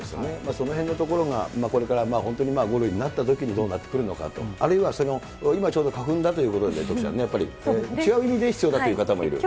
そのへんのところがこれから本当に５類になったときに、どうなってくるのかと、あるいは今ちょうど花粉だということで、徳ちゃん、違う意味で必要だという方もいらっしゃる。